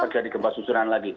terjadi gempa susulan lagi